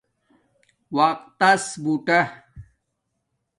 وقت تس ہوٹا